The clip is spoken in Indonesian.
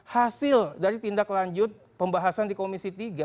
hasil dari tindak lanjut pembahasan di komisi tiga